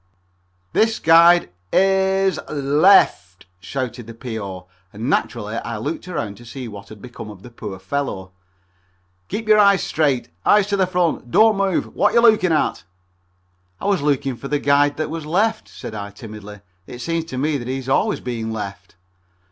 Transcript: _ "This guide i s l e f t!" shouted the P.O., and naturally I looked around to see what had become of the poor fellow. "Keep your head straight. Eyes to the front! Don't move! Whatcha lookin' at?" "I was looking for the guide that was left," says I timidly. "It seems to me that he is always being left."